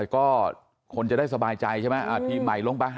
ก็คนจะได้สบายใจใช่ไหมทีมใหม่ลงไป